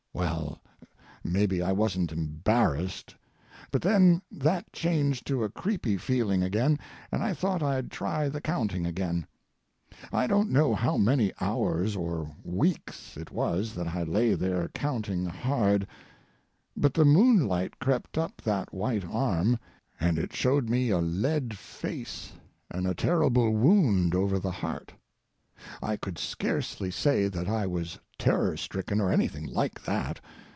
Well, maybe I wasn't embarrassed! But then that changed to a creepy feeling again, and I thought I'd try the counting again. I don't know how many hours or weeks it was that I lay there counting hard. But the moonlight crept up that white arm, and it showed me a lead face and a terrible wound over the heart. I could scarcely say that I was terror stricken or anything like that.